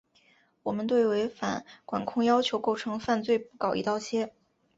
我们对违反管控要求构成犯罪不搞‘一刀切’